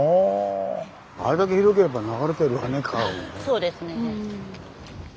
そうですね。